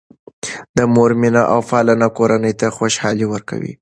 د مور مینه او پالنه کورنۍ ته خوشحالي ورکوي.